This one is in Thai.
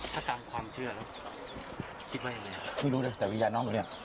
ถ้าตามความเชื่อคิดว่าอย่างไรไม่รู้เลยแต่มียาน้องอยู่เนี้ย